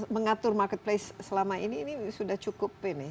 mengatur marketplace selama ini ini sudah cukup ini